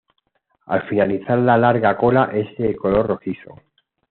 Al finalizar la larga cola es de color rojizo.